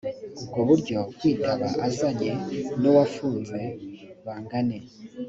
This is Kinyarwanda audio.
ubwo buryo kwitaba azanye n uwafunzwe bangane